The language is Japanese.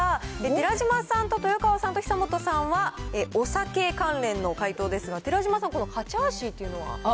寺島さんと豊川さんと久本さんは、お酒関連の解答ですが、寺島さん、このカチャーシーというのは？